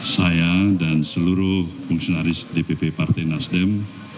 saya dan seluruh fungsionaris dpp partai nasdem